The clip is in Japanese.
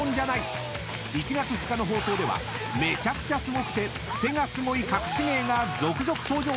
［１月２日の放送ではめちゃくちゃすごくてクセがスゴいかくし芸が続々登場。